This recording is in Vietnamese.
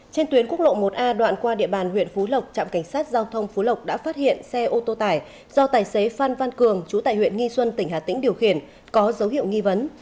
trên tuyến quốc lộ một a đoạn qua địa bàn huyện phú lộc trạm cảnh sát giao thông phú lộc đã phát hiện xe ô tô tải do tài xế phan văn cường chú tại huyện nghi xuân tỉnh hà tĩnh điều khiển có dấu hiệu nghi vấn